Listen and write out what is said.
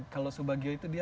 kalau subagio itu dia